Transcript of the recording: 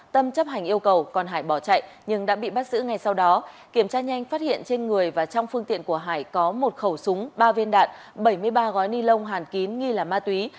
tâm chấp hành yêu cầu còn hải bỏ chạy nhưng đã bị bắt giữ ngay sau đó kiểm tra nhanh phát hiện trên người và trong phương tiện của hải có một khẩu súng ba viên đạn bảy mươi ba gói ni lông hàn kín nghi là ma túy